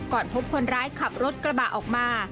พบคนร้ายขับรถกระบะออกมา